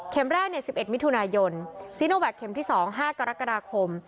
แรก๑๑มิถุนายนซีโนแวคเข็มที่๒๕กรกฎาคม